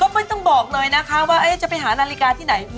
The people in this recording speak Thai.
ไม่ต้องบอกเลยนะคะว่าจะไปหานาฬิกาที่ไหน